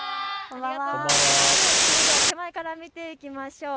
それでは手前から見ていきましょう。